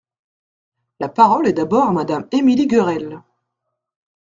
La parole est d’abord à Madame Émilie Guerel.